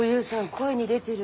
声に出てる。